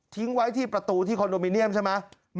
ไว้ที่ประตูที่คอนโดมิเนียมใช่ไหม